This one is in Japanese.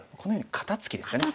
肩ツキですか。